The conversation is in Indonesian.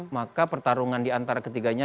maka pertarungan di antara ketiganya